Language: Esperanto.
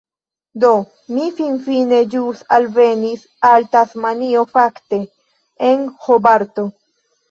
Do, mi finfine ĵus alvenis al Tasmanio fakte, en Hobarto.